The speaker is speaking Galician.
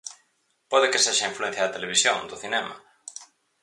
Pode que sexa a influencia da televisión, do cinema.